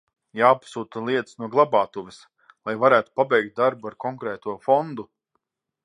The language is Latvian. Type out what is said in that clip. Jāpasūta lietas no glabātuves, lai varētu pabeigt darbu ar konkrēto fondu.